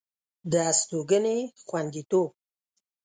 د استوګنې خوندیتوب